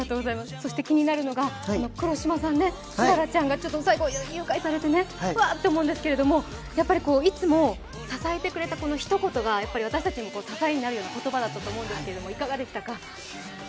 そして気になるのが黒島さん、氷柱ちゃんが最後、誘拐されて、うわっと思うんですけど、いつも支えてくれたひと言が私たちにも支えになるような言葉だったと思うんですけどいかがでしたか？